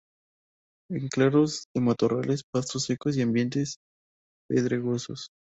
En claros de matorrales, pastos secos y ambientes pedregosos.